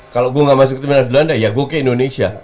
kalau gue nggak masuk timnas belanda ya gue ke indonesia